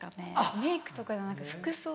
メークとかじゃなく服装。